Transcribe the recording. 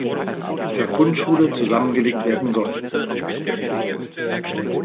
Verbundschule zusammengelegt werden sollen.